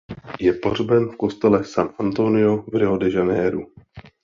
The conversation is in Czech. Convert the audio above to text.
Je pohřben v kostele San António v Rio de Janeiru.